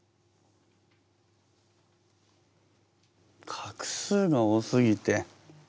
画数が多すぎて。